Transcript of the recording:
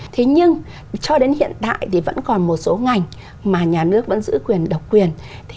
thế nhưng cho đến hiện tại thì vẫn còn một số ngành mà nhà nước vẫn giữ quyền độc quyền